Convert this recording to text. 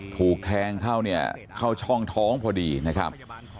ถูกแทงเข้าเนี่ยเข้าช่องท้องพอดีนะครับ